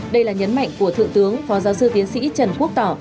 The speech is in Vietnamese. đây là nhấn mạnh của thượng tướng phó giáo sư tiến sĩ trần quốc tỏ